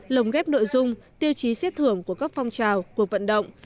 lồng ghép nội dung tiêu chí xét thưởng của các phong trào cuộc vận động